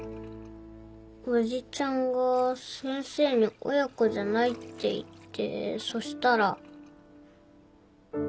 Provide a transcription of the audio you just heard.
おじちゃんが先生に「親子じゃない」って言ってそしたら。